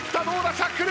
シャッフル。